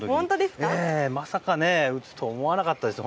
まさか打つとは思わなかったです。